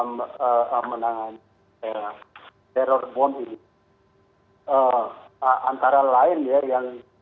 memperoleh orang eras dan mimpinya secara dalau akung